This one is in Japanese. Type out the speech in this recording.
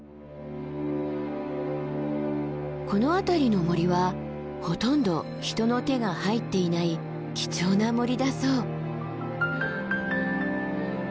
この辺りの森はほとんど人の手が入っていない貴重な森だそう。